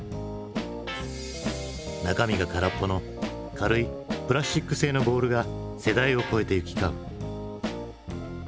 中身が空っぽの軽いプラスチック製のボールが世代を超えて行き交う。